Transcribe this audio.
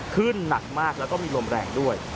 ขึ้นหนักมากแล้วก็มีลมแรงด้วย